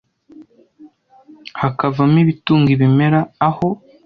hakavamo ibitunga ibimera aho